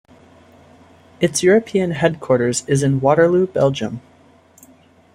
Its European headquarters is in Waterloo, Belgium.